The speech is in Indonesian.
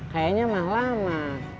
kayaknya mah lama